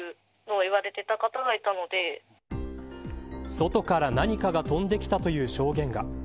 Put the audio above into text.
外から何かが飛んできたという証言が。